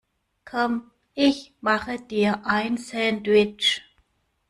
Komm, ich mache dir ein Sandwich.